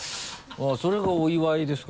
あっそれがお祝いですか？